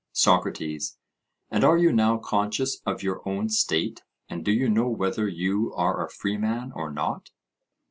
SOCRATES: And are you now conscious of your own state? And do you know whether you are a freeman or not?